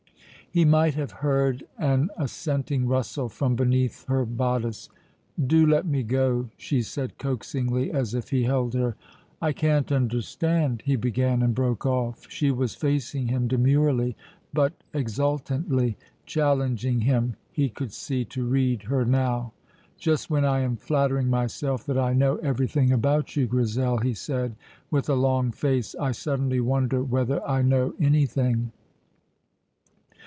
He might have heard an assenting rustle from beneath her bodice. "Do let me go," she said coaxingly, as if he held her. "I can't understand " he began, and broke off. She was facing him demurely but exultantly, challenging him, he could see, to read her now. "Just when I am flattering myself that I know everything about you, Grizel," he said, with a long face, "I suddenly wonder whether I know anything."